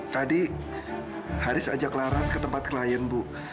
tadi haris ajak laras ke tempat klien bu